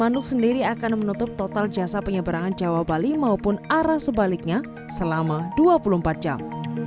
bandung sendiri akan menutup total jasa penyeberangan jawa bali maupun arah sebaliknya selama dua puluh empat jam